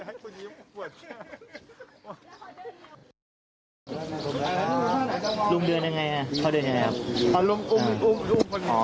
ลุงเดินยังไงพ่อเดินยังไงครับ